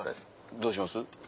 どうします？